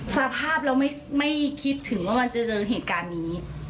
สภาพเราไม่คิดถึงว่ามันจะเจอเหตุการณ์นี้